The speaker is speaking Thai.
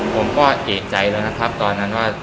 ผมก็เอกใจแล้วนะครับตอนนั้นว่า